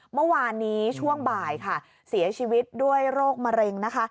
เมื่อวานนี้ช่วงบ่ายค่ะเสียชีวิตด้วยโรคมะเร็งนะคะ